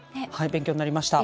勉強になりました。